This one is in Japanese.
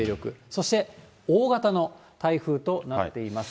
そして大型の台風となっています。